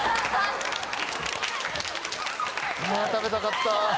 食べたかった。